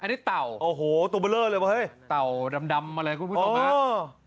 อันนี้เต่าโอ้โหตัวเบลอเลยป่ะเฮ้ยเต่าดำมาเลยคุณผู้ชมครับ